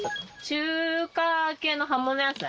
中華系の葉物野菜。